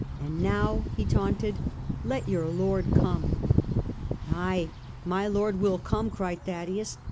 And now," he taunted, " let your Lord come." " Ay, my Lord will come," cried Thaddaeus.